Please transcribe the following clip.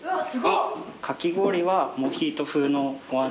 かき氷はモヒート風のお味。